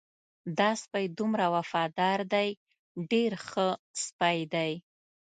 دا سپی دومره وفادار دی ډېر ښه سپی دی.